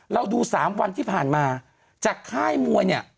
เราดู๓วันที่ผ่านมาจากค่ายมวยเนี่ย